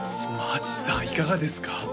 町さんいかがですか？